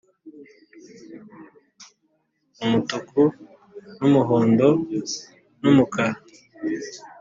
umutuku n'umuhondo n'umukara